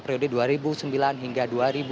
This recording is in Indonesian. periode dua ribu sembilan hingga dua ribu empat belas